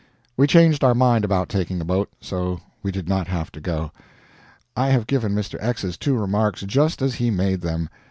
We changed our mind about taking a boat, so we did not have to go. I have given Mr. X's two remarks just as he made them.